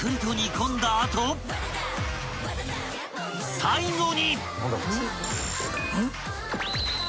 ［最後に］